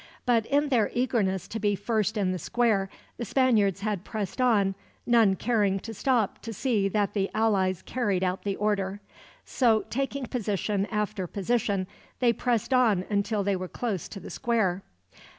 But in their eagerness to be first in the square, the Spaniards had pressed on, none caring to stop to see that the allies carried out the order. So, taking position after position, they pressed on until they were close to the square.